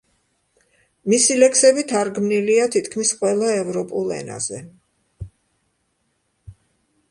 მისი ლექსები თარგმნილია თითქმის ყველა ევროპულ ენაზე.